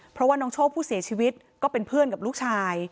เพราะว่าน้องโชคผู้เสียชีวิตก็เป็นเพื่อนกับลูกชาย